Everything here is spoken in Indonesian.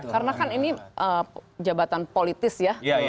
karena kan ini jabatan politis ya